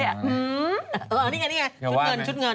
เห็นไหมอ๋อนี่ไงชุดเงิน